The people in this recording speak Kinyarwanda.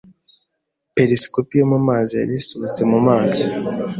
Perisikopi yo mu mazi yari isohotse mu mazi.